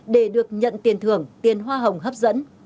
để được nhận tiền thưởng tiền hoa hồng hấp dẫn